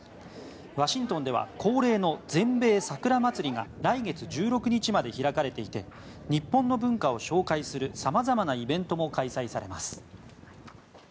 ワシントンでは恒例の全米桜祭りが来月１６日まで開かれていて日本の文化を紹介するさまざまなイベントも開催されます。